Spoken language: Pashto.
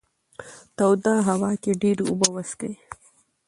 توده هوا کې ډېرې اوبه وڅښئ.